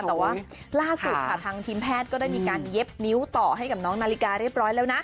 แต่ว่าล่าสุดค่ะทางทีมแพทย์ก็ได้มีการเย็บนิ้วต่อให้กับน้องนาฬิกาเรียบร้อยแล้วนะ